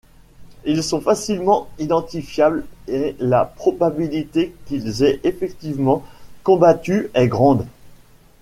Ils sont facilement identifiables, et la probabilité qu'ils aient effectivement combattu est grande.